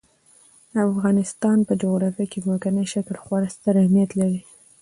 د افغانستان په جغرافیه کې ځمکنی شکل خورا ستر اهمیت لري.